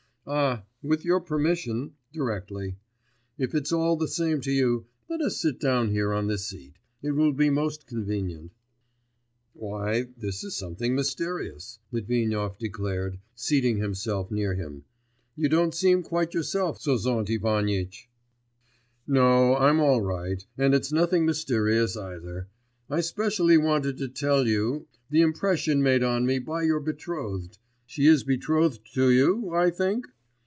'Ah, with your permission ... directly. If it's all the same to you, let us sit down here on this seat. It will be most convenient.' 'Why, this is something mysterious,' Litvinov declared, seating himself near him. 'You don't seem quite yourself, Sozont Ivanitch.' 'No; I'm all right; and it's nothing mysterious either. I specially wanted to tell you ... the impression made on me by your betrothed ... she is betrothed to you, I think?...